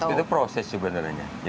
itu proses sebenarnya